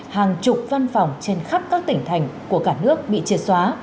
hàng chục văn phòng trên khắp các tỉnh thành của cả nước bị triệt xóa